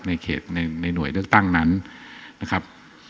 ในเขตในหน่วยเลือกตั้งนั้นนะครับ